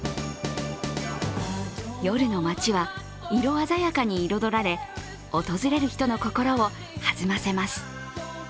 夜の街は色鮮やかに彩られ訪れる人の心を弾ませます。